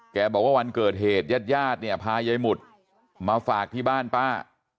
บอกว่าวันเกิดเหตุญาติญาติเนี่ยพายายหมุดมาฝากที่บ้านป้า